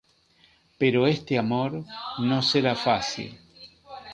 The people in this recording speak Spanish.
Pero este amor no será fácil.